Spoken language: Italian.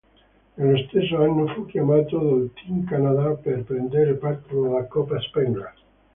Nello stesso anno fu chiamato dal Team Canada per prendere parte alla Coppa Spengler.